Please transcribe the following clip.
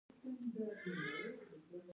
کوسه کب څنګه بوی حس کوي؟